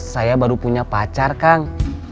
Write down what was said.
saya baru punya pacar kang